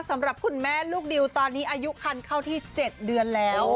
สำหรับคุณแม่ลูกดิวตอนนี้อายุคันเข้าที่๗เดือนแล้ว